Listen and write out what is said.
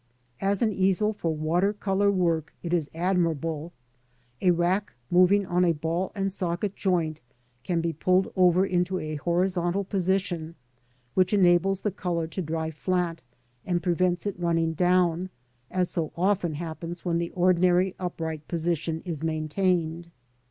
As an easel for water colour work it is admirable. A rack moving on a ball and socket joint can be pulled over into a horizontal position, which enables the colour to dry flat, and prevents it running down, as often happens when the ordinary upright position is maintained.